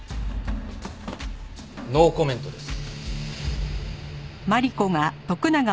ノーコメントです。